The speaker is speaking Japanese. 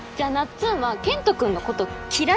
つんは健人君のこと嫌い？